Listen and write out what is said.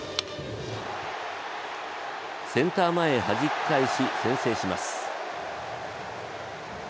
センター前へはじき返し、先制します。